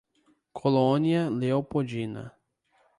Colônia Leopoldina